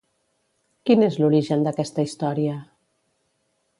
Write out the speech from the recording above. Quin és l'origen d'aquesta història?